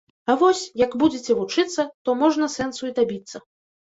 А вось, як будзеце вучыцца, то можна сэнсу і дабіцца